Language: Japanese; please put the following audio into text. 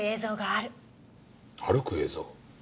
歩く映像？